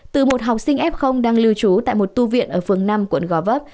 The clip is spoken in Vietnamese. từ một học sinh f đang lưu trú tại một tu viện ở phường năm quận gò vấp